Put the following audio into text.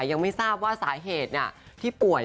ยังไม่ทราบว่าสาเหตุที่ป่วย